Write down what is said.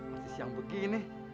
masih siang begini